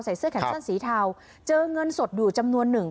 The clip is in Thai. เสื้อแขนสั้นสีเทาเจอเงินสดอยู่จำนวนหนึ่ง